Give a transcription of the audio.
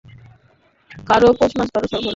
কারো পৌষ মাস, কারো সবর্নাশ।